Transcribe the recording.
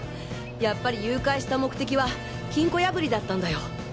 やっぱり誘拐した目的は金庫破りだったんだよ。